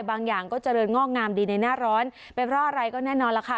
บางอย่างก็เจริญงอกงามดีในหน้าร้อนเป็นเพราะอะไรก็แน่นอนล่ะค่ะ